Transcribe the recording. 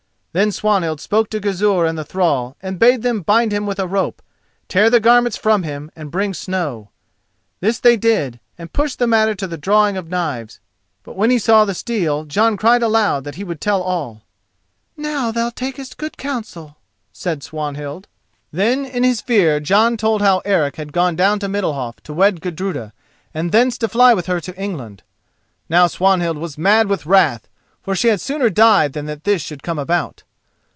Then Swanhild spoke to Gizur and the thrall, and bade them bind him with a rope, tear the garments from him, and bring snow. They did this, and pushed the matter to the drawing of knives. But when he saw the steel Jon cried aloud that he would tell all. "Now thou takest good counsel," said Swanhild. Then in his fear Jon told how Eric had gone down to Middalhof to wed Gudruda, and thence to fly with her to England. Now Swanhild was mad with wrath, for she had sooner died than that this should come about.